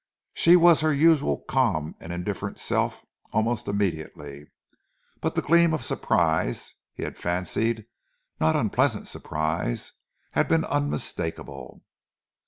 She was her usual calm and indifferent self almost immediately, but the gleam of surprise, and he fancied not unpleasant surprise, had been unmistakable.